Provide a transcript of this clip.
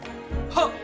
はっ！